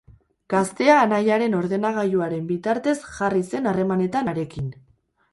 Gaztea anaiaren ordenagailuaren bitartez jarri zen harremanetan harekin.